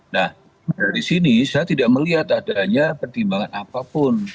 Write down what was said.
nah dari sini saya tidak melihat adanya pertimbangan apapun